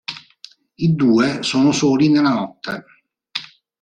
I due sono soli nella notte.